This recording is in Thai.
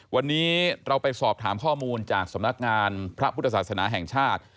วันนี้เราไปสอบถามข้อมูลจากสำนักงานพระพุทธศาสนาแห่งชาติ